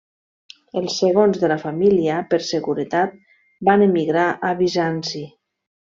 Els segons de la família, per seguretat, van emigrar a Bizanci.